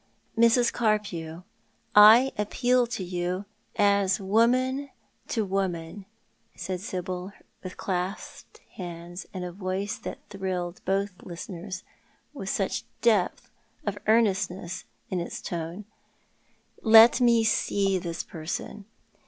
" Mrs. Carpew, I appeal to you as woman to woman," said Sibyl, with clasped hands, and a voice that thdlled both listeners, such depth of earnestness was in its tone. " Let me see this person.